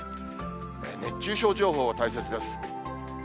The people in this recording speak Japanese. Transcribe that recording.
熱中症情報も大切です。